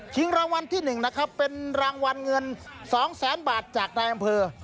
ถึงรางวัลที่๑นะครับเป็นรางวัลเงิน๒๐๐๐๐๐บาทจากในอำเภอ